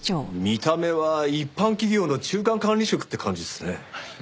見た目は一般企業の中間管理職って感じっすね。